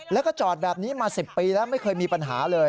แล้วก็จอดแบบนี้มา๑๐ปีแล้วไม่เคยมีปัญหาเลย